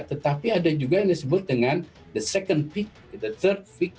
tetapi ada juga yang disebut dengan the second peak third peak